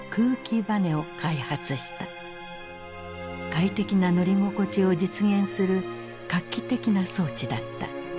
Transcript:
快適な乗り心地を実現する画期的な装置だった。